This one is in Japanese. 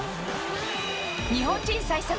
日本人最速